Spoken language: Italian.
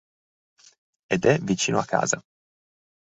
Ed è vicino a casa.